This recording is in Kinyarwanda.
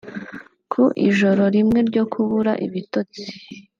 Ku ijoro rimwe ryo kubura ibitotsi